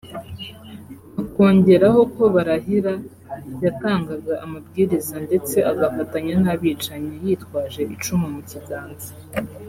akongeraho ko Barahira yatangaga amabwiriza ndetse agafatanya n’abicanyi yitwaje icumu mu kiganza